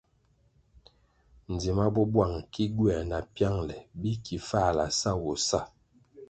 Dzima bo buang ki gywer na piangle bi ki fahla na sawoh sa.